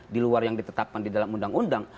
di luar yang ditetapkan di dalam undang undang